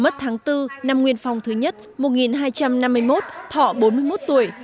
mất tháng bốn năm nguyên phong thứ nhất một nghìn hai trăm năm mươi một thọ bốn mươi một tuổi